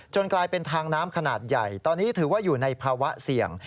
กลายเป็นทางน้ำขนาดใหญ่ตอนนี้ถือว่าอยู่ในภาวะเสี่ยง